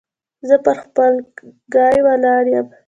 زه پر خپل ګای ولاړ يم.